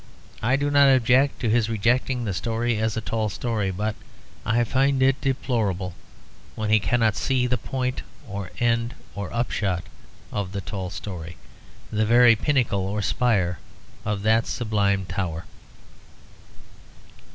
I do not object to his rejecting the story as a tall story; but I find it deplorable when he cannot see the point or end or upshot of the tall story, the very pinnacle or spire of that sublime tower.